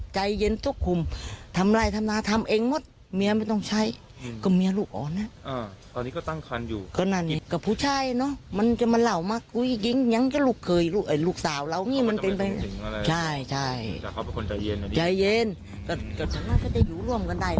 ใจเย็นก็จะอยู่ร่วมกันได้แล้ว